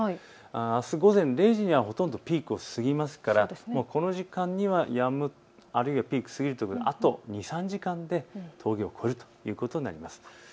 あす午前０時にはほとんどピークを過ぎますから、この時間にはやむ、あるいはピークを過ぎる、あと２、３時間で峠を越えるということになります。